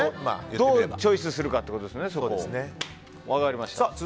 どうチョイスするかということですね。